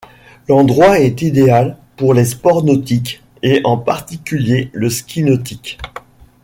L’endroit est idéal pour les sports nautiques et en particulier le ski nautique.